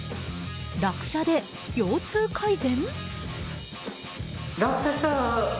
落車で腰痛改善？